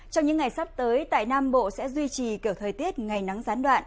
trong những ngày sắp tới tại nam bộ sẽ duy trì kiểu thời tiết ngày nắng gián đoạn